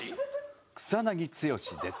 草剛です。